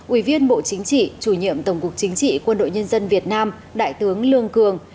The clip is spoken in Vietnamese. ủy viên bộ chính trị chủ nhiệm tổng cục chính trị quân đội nhân dân việt nam đại tướng lương cường